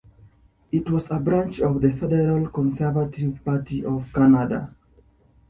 It was a branch of the federal Conservative Party of Canada.